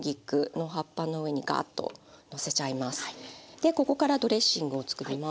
でここからドレッシングを作ります。